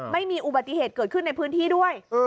ไม่มีอุบัติเหตุเกิดขึ้นในพื้นที่ด้วย